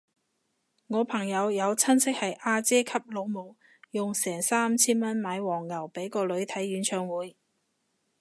我朋友有親戚係阿姐級老母，用成三千蚊買黃牛俾個女睇演唱會